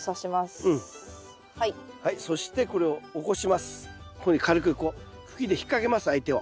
こういうふうに軽くこう茎で引っ掛けます相手を。